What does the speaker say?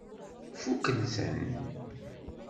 Fukkent-ten?